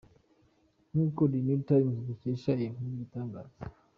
Nk’uko The Newtimes dukesha iyi nkuru ibitangaza.